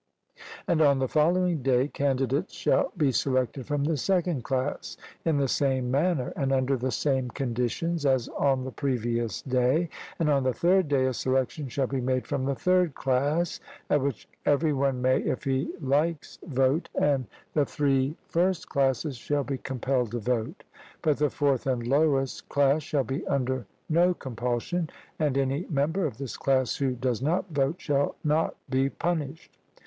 And on the following day, candidates shall be selected from the second class in the same manner and under the same conditions as on the previous day; and on the third day a selection shall be made from the third class, at which every one may, if he likes vote, and the three first classes shall be compelled to vote; but the fourth and lowest class shall be under no compulsion, and any member of this class who does not vote shall not be punished.